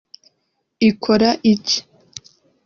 Ikora iki